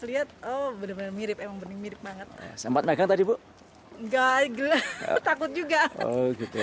lihat oh bener bener mirip emang bener mirip banget sempat megang tadi bu gak gelap takut juga oh gitu